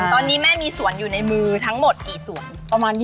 ตอนนี้แม่มีสวนอยู่ในมือทั้งหมดกี่สวนประมาณ